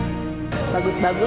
yang keras padek yuri momen apa